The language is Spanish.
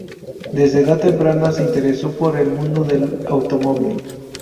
Desde edad temprana se interesó por el mundo del automóvil.